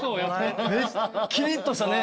キリッとしたね